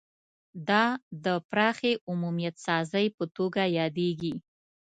دا د پراخې عمومیت سازۍ په توګه یادیږي